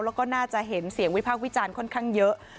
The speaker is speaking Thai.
แล้วก็น่าจะเห็นเสียงวิพากษ์วิจารณ์ค่อนข้างเยอะ